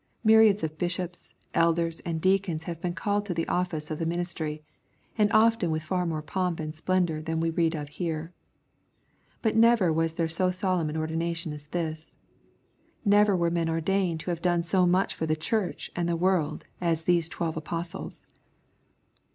Myriads of bishops, elders, and deacons have been called to the oflSce of the ministry, and often with far" more pomp and splendor than we read of here. But never was there so solemn an ordination as this. Never were men ordained who have done so much for the church and the world as these twelve apostles.